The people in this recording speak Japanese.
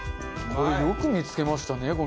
よく見付けましたね